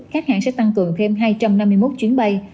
các hãng sẽ tăng cường thêm hai trăm năm mươi một chuyến bay